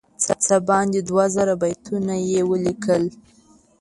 څه باندې دوه زره بیتونه یې ولیکل.